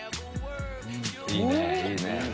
いいねいいね！